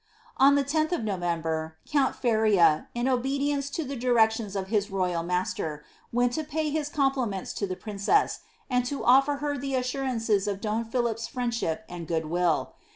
On the lOih of November, count Feria, in obedience to the directions of his royal master, went to pay his compliments to the princess, and to offer her the assurances of don Philip's friendship and good will.